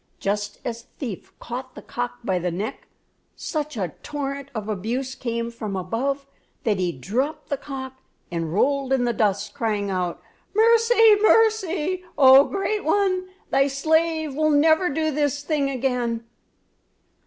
Just as the thief caught the cock by the neck, such a torrent of abuse came from above that he dropped the cock and rolled in the dust, crying out: "Mercy! mercy! Oh, great one, thy slave will never do this thing again!"